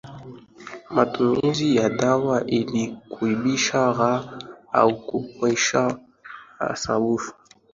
matumizi ya dawa ili kuibusha raha au kuepusha usumbufu